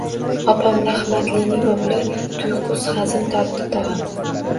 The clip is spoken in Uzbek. – Opam rahmatlining o‘g‘li, – tuyqus hazin tortdi tog‘am